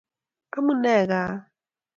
Amune kaa?